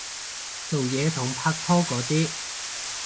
做嘢同拍拖嗰啲